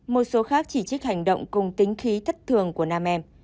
một số khác chỉ trích hành động cùng tính khí thất thường của nam em